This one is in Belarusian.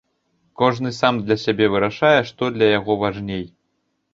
Кожны сам для сябе вырашае, што для яго важней.